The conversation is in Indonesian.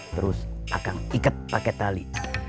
terus akang iket pake tali